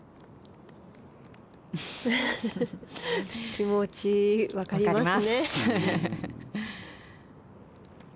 気持ち、わかりますね。